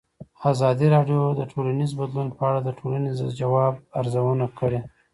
ازادي راډیو د ټولنیز بدلون په اړه د ټولنې د ځواب ارزونه کړې.